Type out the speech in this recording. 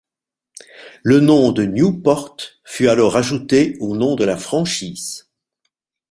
Le nom de Newport fut alors ajouté au nom de la franchise.